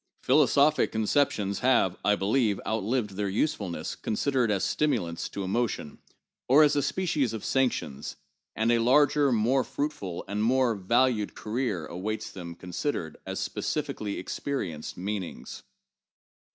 Philosophic conceptions have, I believe, outlived their use fulness considered as stimulants to emotion, or as a species of sanc tions; and a larger, more fruitful and more valuable career awaits them considered as specifically experienced meanings.